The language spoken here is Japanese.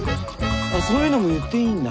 そういうのも言っていいんだ？